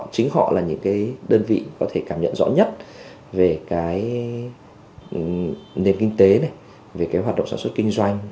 chính họ là những đơn vị có thể cảm nhận rõ nhất về nền kinh tế hoạt động sản xuất kinh doanh